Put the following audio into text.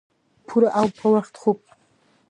پوره او پۀ وخت خوب